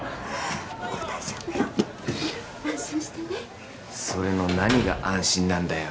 もう大丈夫よ安心してねそれの何が安心なんだよ